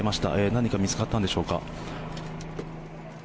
何か見つかったんでしょうか。